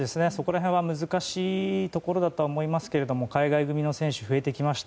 難しいところだとは思いますが海外組の選手が増えてきました。